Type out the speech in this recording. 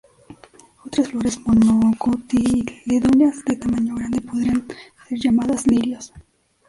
Otras flores monocotiledóneas de tamaño grande podrían ser llamadas lirios.